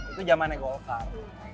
itu zamannya golkar